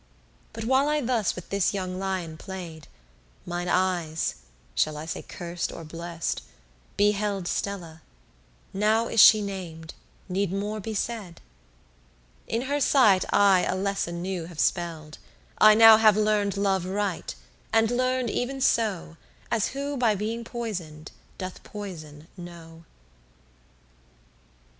But while I thus with this young lion played, Mine eyes (shall I say curst or blest?) beheld Stella; now she is nam'd, need more be said? In her sight I a lesson new have spell'd, I now hav learn'd Love right, and learn'd even so, As who by being poisoned doth poison know.